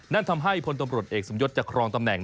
นั่นทำให้พลตำรวจเอกสมยศจะครองตำแหน่ง